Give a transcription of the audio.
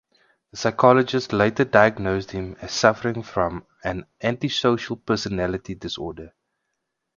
The psychologist later diagnosed him as suffering from an antisocial personality disorder.